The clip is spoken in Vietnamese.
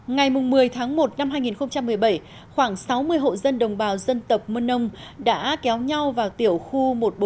ngày một mươi tháng một năm hai nghìn một mươi bảy khoảng sáu mươi hộ dân đồng bào dân tộc mân nông đã kéo nhau vào tiểu khu một nghìn bốn trăm tám mươi bảy